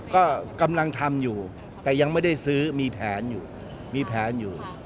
ก็กำลังทำอยู่แต่ยังไม่ได้ซื้อมีแผนอยู่มีแผนอยู่